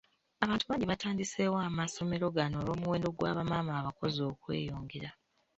Abantu bangi abatandiseewo amasomero gano olw’omuwendo gwa ba maama abakozi okweyongera.